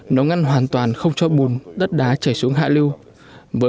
nó ngăn hoàn toàn không cho bùn đất đá chảy xuống hạ lưu